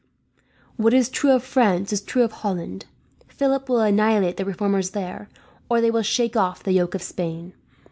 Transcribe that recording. "What is true of France is true of Holland. Philip will annihilate the reformers there, or they will shake off the yoke of Spain.